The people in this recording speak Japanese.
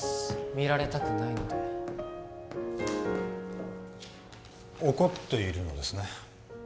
見られたくないので怒っているのですね